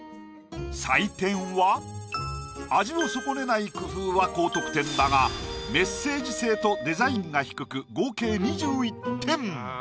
採点は味を損ねない工夫は高得点だがメッセージ性とデザインが低く合計２１点！